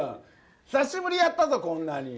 久しぶりにやったぞ、こんなに。